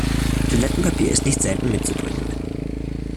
Toilettenpapier ist nicht selten mitzubringen.